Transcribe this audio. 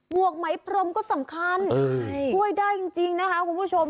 วกไหมพรมก็สำคัญช่วยได้จริงนะคะคุณผู้ชม